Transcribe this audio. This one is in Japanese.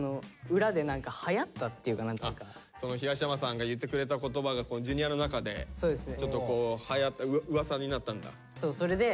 東山さんが言ってくれた言葉がＪｒ．の中でちょっとはやったうわさになったんだ。